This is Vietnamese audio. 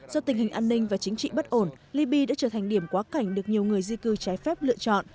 do tình hình an ninh và chính trị bất ổn libya đã trở thành điểm quá cảnh được nhiều người di cư trái phép lựa chọn